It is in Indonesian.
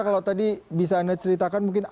kalau tadi bisa anda ceritakan mungkin